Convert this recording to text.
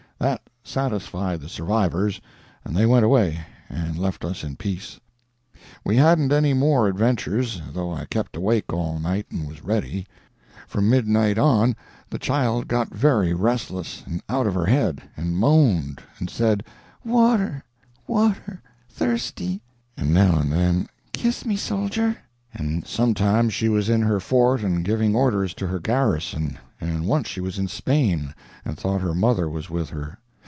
That satisfied the survivors, and they went away and left us in peace. "We hadn't any more adventures, though I kept awake all night and was ready. From midnight on the child got very restless, and out of her head, and moaned, and said, 'Water, water—thirsty'; and now and then, 'Kiss me, Soldier'; and sometimes she was in her fort and giving orders to her garrison; and once she was in Spain, and thought her mother was with her.